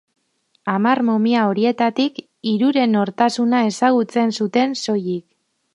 Hamar momia horietatik hiruren nortasuna ezagutzen zuten soilik.